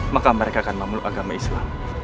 maka mereka akan memeluk agama islam